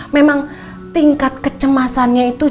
memang tingkat kecemasannya itu